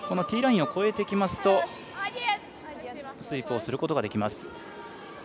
ティーラインを越えてきますとスイープをすることができます。